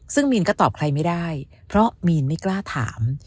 ซึ่งมีนก็ตอบใครไม่ได้เพราะมีนไม่กล้าถาม